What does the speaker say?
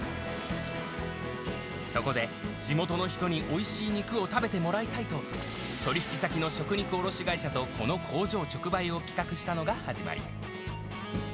そこで、地元の人においしい肉を食べてもらいたいと、取り引き先の食肉卸会社と、この工場直売を企画したのが始まり。